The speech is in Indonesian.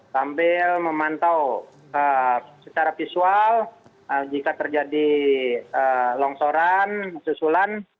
sambil memantau secara visual jika terjadi longsoran susulan